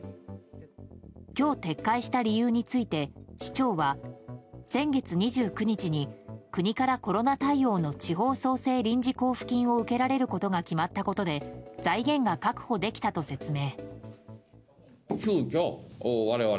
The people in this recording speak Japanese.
今日撤回した理由について市長は先月２９日に国からコロナ対応の地方創生臨時交付金を受けられることが決まったことで財源が確保できたと説明。